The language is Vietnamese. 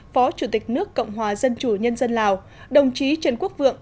phó chủ tịch nước cộng hòa dân chủ nhân dân lào đồng chí trần quốc vượng